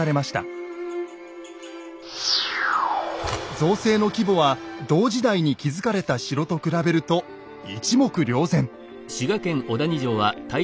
造成の規模は同時代に築かれた城と比べると一目瞭然。